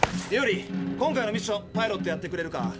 ユーリ今回のミッションパイロットやってくれるか？